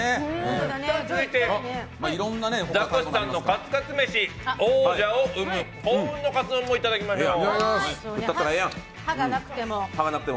続いてザコシさんのカツカツ飯王者を生む幸運のカツ丼も歯がなくても。